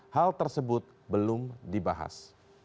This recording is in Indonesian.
hal tersebut belum dibahas